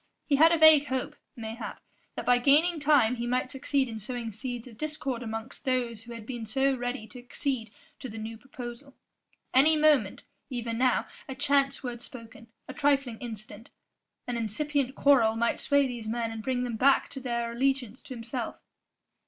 He had a vague hope, mayhap, that by gaining time he might succeed in sowing seeds of discord amongst those who had been so ready to accede to the new proposal; any moment even now a chance word spoken, a trifling incident, an incipient quarrel might sway these men and bring them back to their allegiance to himself.